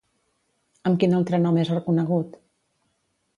Amb quin altre nom és reconegut?